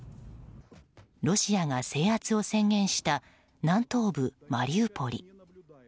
ロシアが制圧を宣言した南東部マリウポリ。